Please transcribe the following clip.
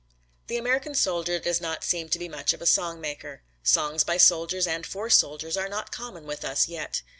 The American soldier does not seem to be much of a song maker. Songs by soldiers and for soldiers are not common with us yet.